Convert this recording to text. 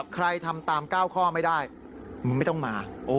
ใครทำตาม๙ข้อไม่ได้มึงไม่ต้องมา